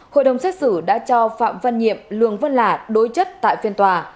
hội đồng xét xử đã cho phạm văn nhiệm lương vân lạ đối chất tại phiên tòa